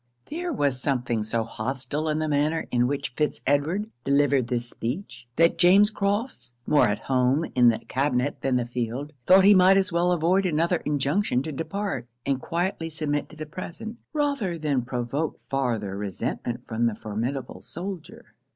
There was something so hostile in the manner in which Fitz Edward delivered this speech, that James Crofts, more at home in the cabinet than the field, thought he might as well avoid another injunction to depart; and quietly submit to the present, rather than provoke farther resentment from the formidable soldier.